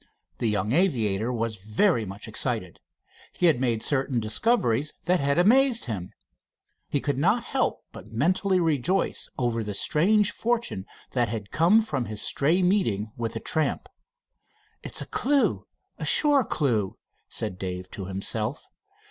The young aviator was very much excited. He had made certain discoveries that had amazed him. He could not help but mentally rejoice over the strange fortune that had come from his stray meeting with the tramp. "It's a clew a sure clew," said Dave to himself.